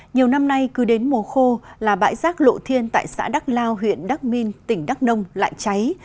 nhiều năm nay cứ đến mùa khô là bãi rác lộ thiên tại xã đắc lao huyện đắc minh tỉnh đắk nông lại cháy